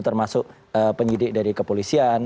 termasuk penyidik dari kepolisian